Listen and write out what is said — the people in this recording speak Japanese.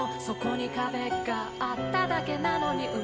「そこに壁があっただけなのに」